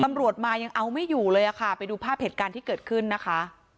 ตำรวจมายังเอาไม่อยู่เลยค่ะไปดูภาพเหตุการณ์ที่เกิดขึ้นนะคะ